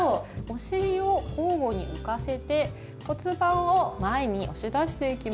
おしりを交互に浮かせて骨盤を前に押し出していきます。